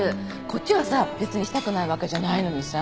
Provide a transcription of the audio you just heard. こっちはさ別にしたくないわけじゃないのにさ。